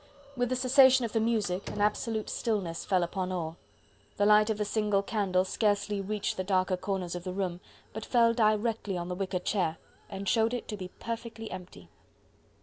With the cessation of the music an absolute stillness fell upon all; the light of the single candle scarcely reached the darker corners of the room, but fell directly on the wicker chair and showed it to be perfectly empty.